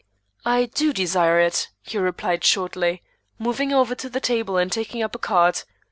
"I do desire it," he replied shortly, moving over to the table and taking up a card.